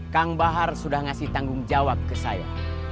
kang bahar sudah ngasih tanggung jawab ke saya